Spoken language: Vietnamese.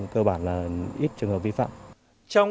cơ bản là ít trường hợp vi phạm